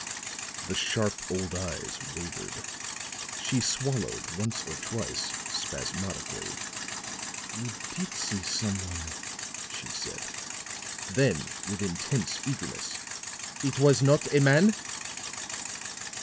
The sharp old eyes wavered; she swallowed once or twice spasmodically. "You did see some one," she said. Then with intense eagerness: "It was not a man?"